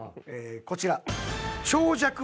こちら。